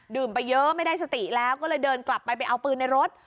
ไปเยอะไม่ได้สติแล้วก็เลยเดินกลับไปไปเอาปืนในรถ